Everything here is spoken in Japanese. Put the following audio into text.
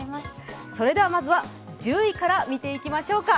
それではまずは１０位から見ていきましょうか。